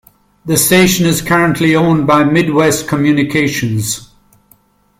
The station is currently owned by Midwest Communications.